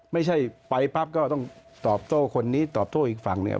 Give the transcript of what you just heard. ไม่ใช่ไปปั๊บก็ต้องตอบโต้คนนี้ตอบโต้อีกฝั่งเนี่ย